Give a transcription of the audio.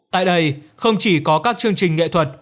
tại đây không chỉ có các chương trình nghệ thuật